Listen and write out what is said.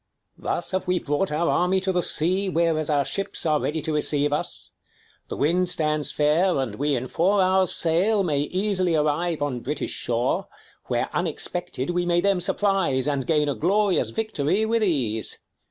j^ King. Thus have we brought our army to the sea, ' Whereas our ships are ready to receive us : The wind stands fair, and we in four hours' sail, May easily arrive on British shore, Where unexpected we may them surprise, 5 And gain a glorious victory with ease.